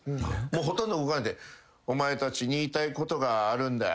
ほとんど動かないで「お前たちに言いたいことがあるんだ」